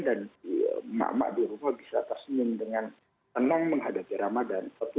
dan mak mak di rumah bisa tersenyum dengan tenang menghadapi ramadan